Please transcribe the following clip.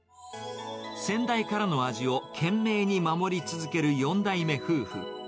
先代からの味を懸命に守り続ける４代目夫婦。